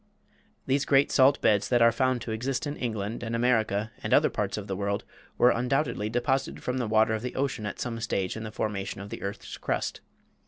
These great salt beds that are found to exist in England and America and other parts of the world were undoubtedly deposited from the water of the ocean at some stage in the formation of the earth's crust.